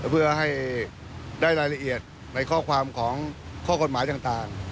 เพื่อให้ได้รายละเอียดในข้อความของข้อกฎหมายต่าง